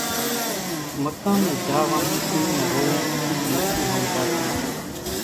مقامين جھا وانھين اُوڃان روئون ٺيڪ نٿي ۿمزاتون۔